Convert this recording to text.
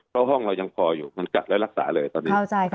เพราะห้องเรายังพออยู่มันกัดและรักษาเลยตอนนี้